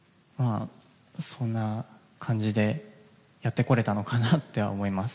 そんな感じでやってこれたのかなと思います。